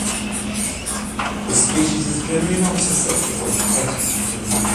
This species is generally not susceptible to pests and diseases.